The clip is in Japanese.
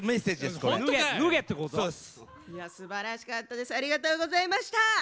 すばらしかったです。